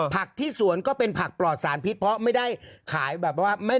ที่สวนก็เป็นผักปลอดสารพิษเพราะไม่ได้ขายแบบว่าไม่